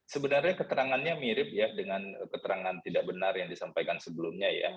sebenarnya keterangannya mirip ya dengan keterangan tidak benar yang disampaikan sebelumnya ya